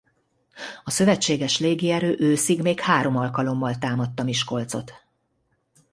A szövetséges légierő őszig még három alkalommal támadta Miskolcot.